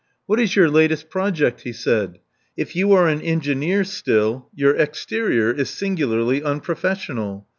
What is your latest project?" he said. If you are an engineer still your exterior is singularly unprofessional.